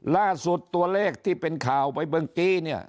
ล่าสุดตัวเลขที่เป็นข่าวไปเมื่อกี้เนี่ย